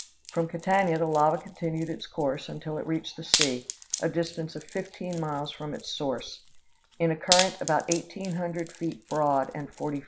From Catania the lava continued its course until it reached the sea, a distance of fifteen miles from its source, in a current about eighteen hundred feet broad, and forty feet deep.